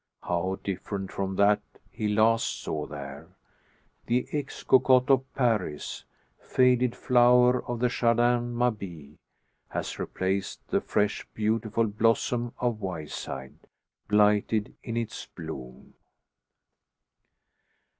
how different from that he last saw there! The ex cocotte of Paris faded flower of the Jardin Mabille has replaced the fresh beautiful blossom of Wyeside blighted in its bloom!